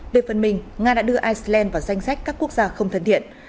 về phần mình nga đã đưa iceland vào danh sách các quốc gia không thân thiện